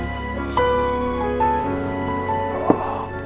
aku mau istirahat lagi